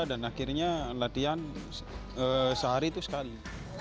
dan akhirnya latihan sehari itu sekali